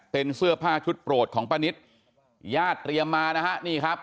เป็นเสื้อผ้าชุดโปรดของป้านิตญาติเตรียมมานะฮะนี่ครับ